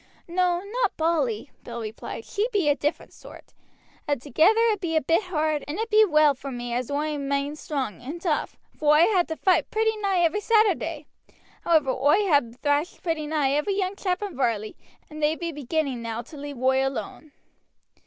"No, not Polly," Bill replied. "She be a different sort. A' together it be a bit hard, and it be well for me as oi 'm main strong and tough, for oi ha' to fight pretty nigh every Saturday. However, oi ha thrashed pretty nigh every young chap in Varley, and they be beginning now to leave oi alone."